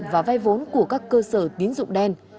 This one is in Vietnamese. và vay vốn của các cơ sở tín dụng đen